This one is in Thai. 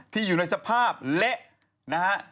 ที่อยู่ในสภาพเหละ